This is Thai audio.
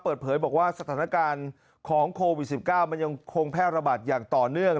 เปิดเผยบอกว่าสถานการณ์ของโควิด๑๙มันยังคงแพร่ระบาดอย่างต่อเนื่อง